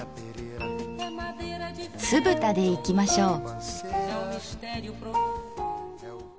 すぶたでいきましょう。